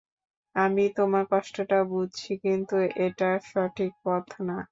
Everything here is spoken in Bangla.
আমি তোমার কষ্টটা বুঝছি, কিন্তু এটা সঠিক পথ না।